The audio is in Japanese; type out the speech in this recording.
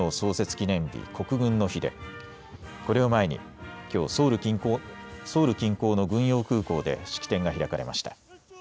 記念日、国軍の日でこれを前にきょう、ソウル近郊の軍用空港で式典が開かれました。